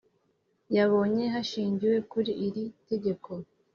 Yabonye hashingiwe kuri iri tegeko